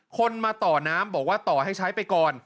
คนมาต่อน้ำบอกว่าต่อให้ใช้ไปก่อน